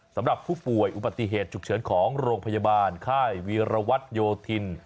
สำหรับผู้ป่วยอุปติเหตุจุเฉลของโรงพยาบาลไคร่ระวัตยโธน